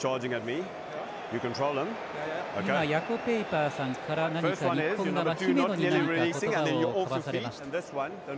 ヤコ・ペイパーさんから日本側、姫野に言葉を交わされました。